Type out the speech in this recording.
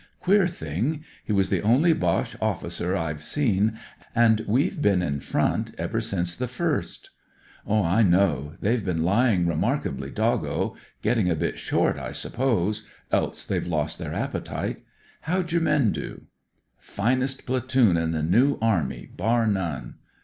Queer thing! He was the only Boche oflScer I've seen, and we've been in front ever since the 1st." I know. They've been lying remark ably doggo. Getting a bit short, I sup pose — else they've lost their appetite. How'd your men do ?" "Finest platoon in the New Army bar none